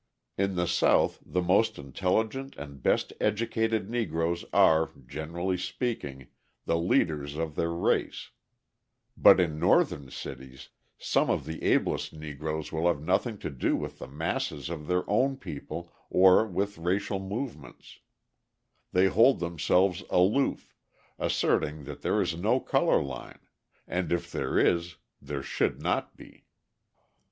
In the South the most intelligent and best educated Negroes are, generally speaking, the leaders of their race, but in Northern cities some of the ablest Negroes will have nothing to do with the masses of their own people or with racial movements; they hold themselves aloof, asserting that there is no colour line, and if there is, there should not be.